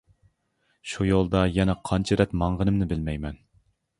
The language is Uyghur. شۇ يولدا يەنە قانچە رەت ماڭغىنىمنى بىلمەيمەن.